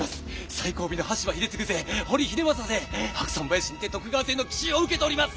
最後尾の羽柴秀次勢堀秀政勢白山林にて徳川勢の奇襲を受けております！